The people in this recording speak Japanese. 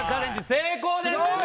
成功です